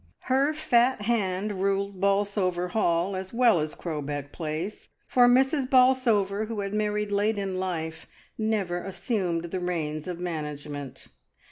Her fat hand ruled Bolsover Hall as well as Crowbeck Place, for Mrs. Bolsover, who had married late in life, never assumed the reins of management.